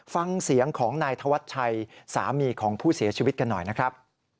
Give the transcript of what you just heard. ฟังเสียงของนายธวัชชัยสามีของผู้เสียชีวิตกันหน่อยนะครับ